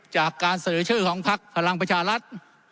จากการเสนอชื่อของพักพลังประชารัฐ